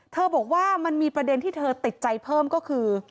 บอกว่ามันมีประเด็นที่เธอติดใจเพิ่มก็คือ